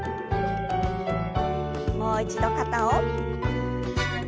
もう一度肩を。